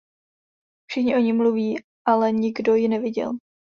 Všichni o ní mluví, ale nikdo ji neviděl.